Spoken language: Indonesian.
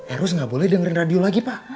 erus nggak boleh dengerin radio lagi pak